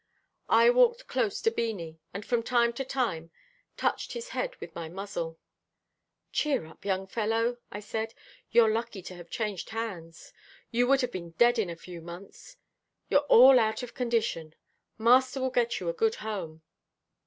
I walked close to Beanie, and from time to time touched his head with my muzzle. "Cheer up, young fellow," I said, "you're lucky to have changed hands. You would have been dead in a few months. You're all out of condition. Master will get you a good home."